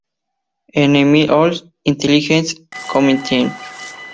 Enemy Oil Intelligence Committee.